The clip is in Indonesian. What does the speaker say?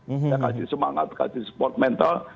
kita kasih semangat kasih support mental